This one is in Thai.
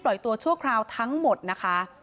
ตัวชั่วคราวทั้งหมดนะคะ